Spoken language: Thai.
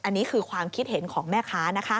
อันนี้คือความคิดเห็นของแม่ค้านะคะ